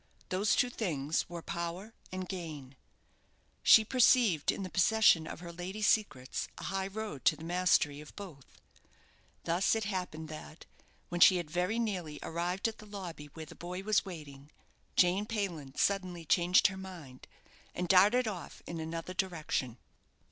Those two things were power and gain. She perceived in the possession of her lady's secrets a high road to the mastery of both. Thus it happened that, when she had very nearly arrived at the lobby where the boy was waiting, Jane Payland suddenly changed her mind, and darted off in another direction.